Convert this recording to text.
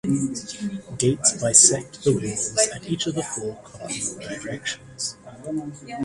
Gates bisect the walls at each of the four cardinal directions.